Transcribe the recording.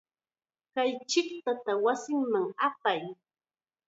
Kay chiqtata wasiman apay.